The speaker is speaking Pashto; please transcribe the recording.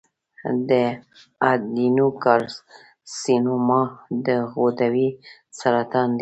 د ایڈینوکارسینوما د غدودي سرطان دی.